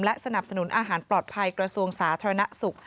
และสนับสนุนอาหารปลอดภัยกระทรวงสาธารณสุข